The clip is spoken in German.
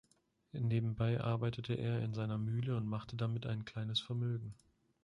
Nebenbei arbeitete er in seiner Mühle und machte damit ein kleines Vermögen.